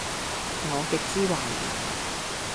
我極之懷疑